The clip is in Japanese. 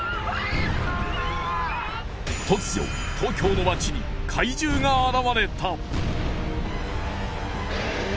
突如東京の街に怪獣が現れた！